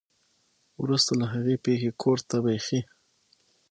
ورورسته له هغې پېښې کور ته بېخي